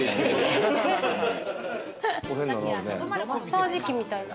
マッサージ機みたいな。